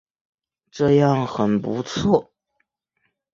这样很不错